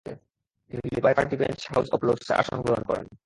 তিনি Liberal Party বেঞ্চে House of লর্ডসে আসন গ্রহণ করেন।